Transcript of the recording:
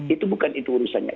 itu bukan itu urusannya